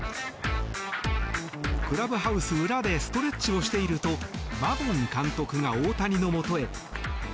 クラブハウス裏でストレッチをしているとマドン監督が大谷のもとへ。